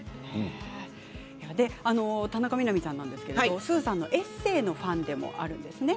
田中みな実さんなんですがスーさんのエッセーのファンでもあるそうです。